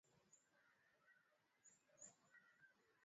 Kinyesi cha majimaji chenye rangi ya kijani au kijivu ni dalili ya kuhara